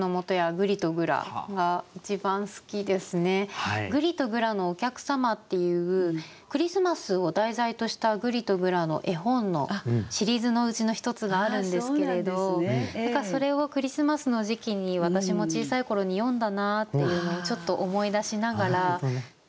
「ぐりとぐらのおきゃくさま」っていうクリスマスを題材とした「ぐりとぐら」の絵本のシリーズのうちの一つがあるんですけれど何かそれをクリスマスの時期に私も小さい頃に読んだなっていうのをちょっと思い出しながら。